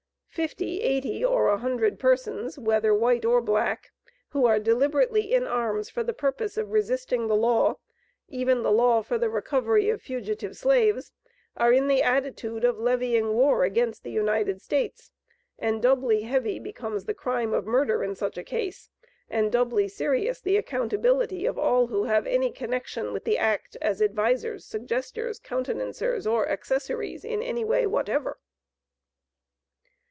Fifty, eighty, or a hundred persons, whether white or black, who are deliberately in arms for the purpose of resisting the law, even the law for the recovery of fugitive slaves, are in the attitude of levying war against the United States; and doubly heavy becomes the crime of murder in such a case, and doubly serious the accountability of all who have any connection with the act as advisers, suggesters, countenancers, or accessories in any way whatever."